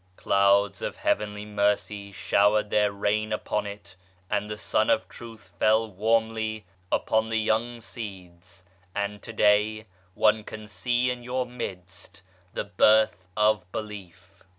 Clouds of Heavenly Mercy showered their rain upon it, arid the Sun of Truth fell warmly upon the young seeds, and to day one can see in your midst the birth of Belief.